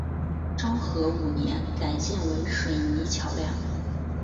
昭和五年改建为水泥桥梁。